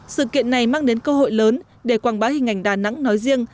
sự kiện này mang đến cơ hội lớn để quảng bá hình ảnh đà nẵng nói riêng